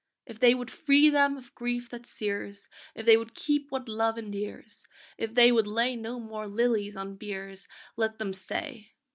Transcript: If they would free them of grief that sears, If they would keep what love endears, If they would lay no more lilies on biers Let them say!